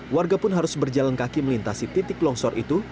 warga pun harus berjalan kaki melintasi titik longsor itu